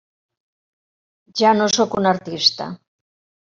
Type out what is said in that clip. Ja no sóc un artista.